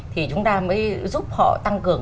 thì chúng ta mới giúp họ tăng cường